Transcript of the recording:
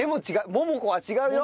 桃子は違うよ。